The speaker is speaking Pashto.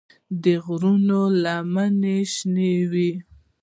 د غرونو لمنې شنه وې.